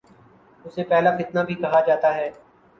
اسے پہلا فتنہ بھی کہا جاتا ہے